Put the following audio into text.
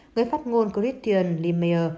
người phát ngôn christian limeyer